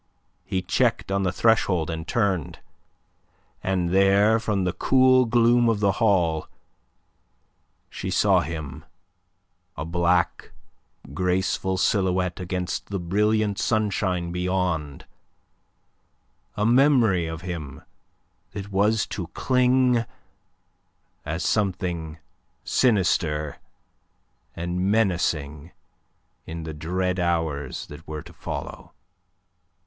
He checked on the threshold, and turned; and there from the cool gloom of the hall she saw him a black, graceful silhouette against the brilliant sunshine beyond a memory of him that was to cling as something sinister and menacing in the dread hours that were to follow.